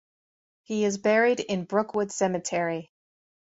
He is buried in Brookwood Cemetery.